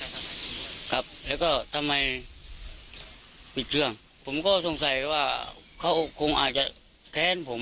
แล้วก็ทำไมปิดเรื่องผมก็สงสัยว่าเขาคงอาจจะแท้งผม